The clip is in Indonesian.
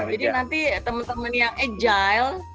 jadi nanti teman teman yang agile